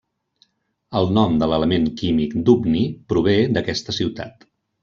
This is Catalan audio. El nom de l'element químic dubni prové d'aquesta ciutat.